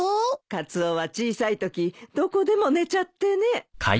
カツオは小さいときどこでも寝ちゃってね。